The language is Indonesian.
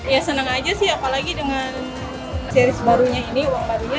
ya senang aja sih apalagi dengan series barunya ini uang barunya